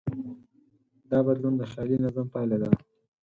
دا بدلون د خیالي نظم پایله ده.